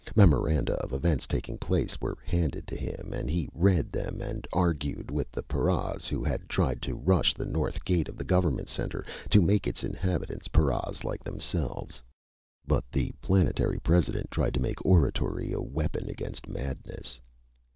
Memoranda of events taking place were handed to him, and he read them and argued with the paras who had tried to rush the north gate of Government Center, to make its inhabitants paras like themselves. But the Planetary President tried to make oratory a weapon against madness.